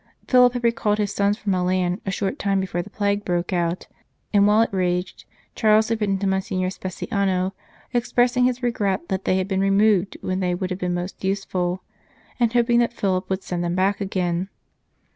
Philip had recalled his sons from Milan a short time before the plague broke out, and while it raged Charles had written to Mon signor Speciano, expressing his regret that they had been removed when they would have been most useful, and hoping that Philip would send them back again.